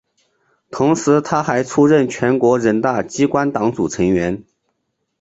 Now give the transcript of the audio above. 同时她还出任全国人大机关党组成员。